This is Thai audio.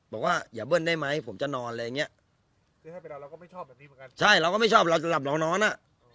บอกว่าอย่าเบิ้ลได้ไหมผมจะนอนอะไรอย่างเงี้ยใช่เราก็ไม่ชอบเราจะหลับหลองนอนอ่ะ